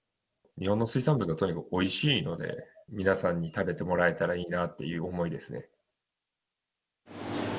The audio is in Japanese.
日本の水産物はとにかくおいしいので、皆さんに食べてもらえたらいいなっていう思いですね。